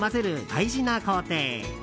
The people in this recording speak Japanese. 大事な工程。